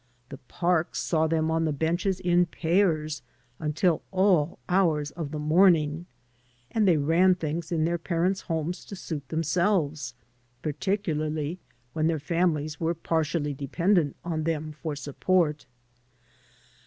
The parks saw them on the benches in pairs until all hours of the morning, and they ran things in their parents' homes to suit themselves, particularly when their families were partially dependent on them for support.